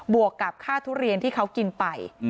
วกกับค่าทุเรียนที่เขากินไป